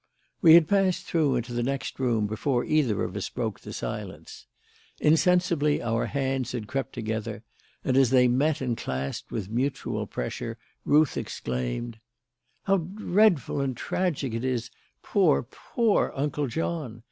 We had passed through into the next room before either of us broke the silence. Insensibly our hands had crept together, and as they met and clasped with mutual pressure, Ruth exclaimed: "How dreadful and tragic it is! Poor, poor Uncle John!